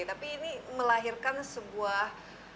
tapi ini melahirkan sebuah